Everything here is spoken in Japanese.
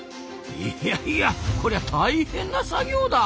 いやいやこりゃ大変な作業だ！